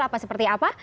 atau seperti apa